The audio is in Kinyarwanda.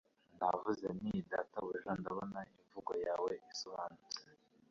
Navuze nti Databuja ndabona imvugo yawe isobanutse